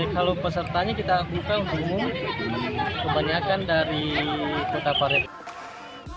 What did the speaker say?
kalau pesertanya kita buka untuk umum kebanyakan dari kota parepare